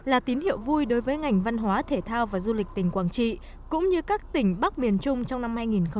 là tín hiệu vui đối với ngành văn hóa thể thao và du lịch tỉnh quảng trị cũng như các tỉnh bắc miền trung trong năm hai nghìn một mươi chín